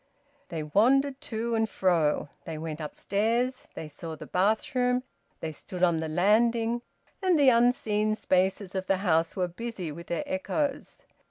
They wandered to and fro. They went upstairs. They saw the bathroom. They stood on the landing, and the unseen spaces of the house were busy with their echoes.